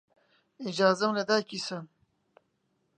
ئیجازەم لە دایکی سەن